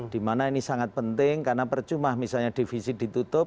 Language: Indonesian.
dimana ini sangat penting karena percuma misalnya defisit ditutup